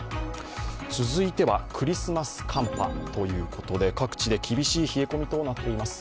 続いてはクリスマス寒波ということで、各地で厳しい冷え込みとなっています。